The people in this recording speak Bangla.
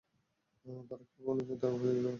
তারা কি কোন চিত্রাঙ্কন প্রতিযোগিতা করছে নাকি?